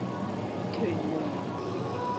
屯門